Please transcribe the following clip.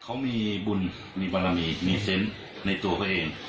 เขามีบุญมีบารมีมีเซนต์ในตัวเขาเอง